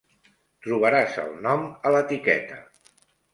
Trobaràs el nom a l'etiqueta.